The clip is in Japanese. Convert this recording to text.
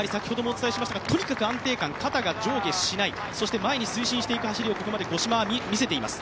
とにかく安定感、肩が上下しない、前に推進していく走りを五島は見せています。